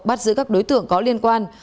bắt giữ các đối tượng có liên quan